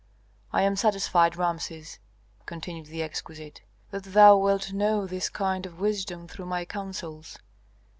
I am satisfied, Rameses," continued the exquisite, "that thou wilt know this kind of wisdom through my counsels.